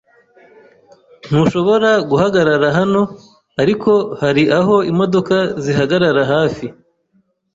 Ntushobora guhagarara hano. Ariko, hari aho imodoka zihagarara hafi.